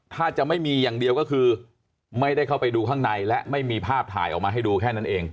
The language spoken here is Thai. ถ้าจะไม่มีอย่างเดียวก็คือไม่ได้เข้าไปดูข้างในและไม่มีภาพถ่ายออกมาให้ดูแค่นั้นเอง